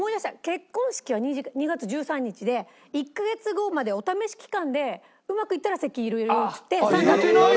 結婚式が２月１３日で１カ月後までお試し期間でうまくいったら籍入れるよっつって。